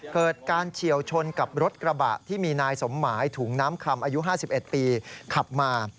เกิดการเฉียวชนกับรถกระบะที่มีนายสมหมายถุงน้ำคำอายุ๕๑ปีขับมา